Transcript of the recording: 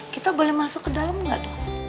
kita boleh masuk ke dalam gak dok